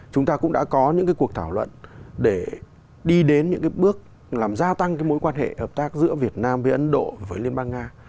chúng ta cũng đã có những cái cuộc thảo luận để đi đến những cái bước làm gia tăng cái mối quan hệ hợp tác giữa việt nam với ấn độ với liên bang nga